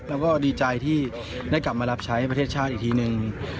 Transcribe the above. แล้วก็ดีใจที่ได้กลับมารับใช้ประเทศชาติอีกทีนึง